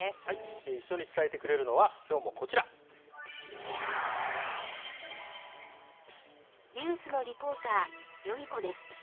一緒に伝えてくれるのは、きニュースのリポーター、ヨミ子です。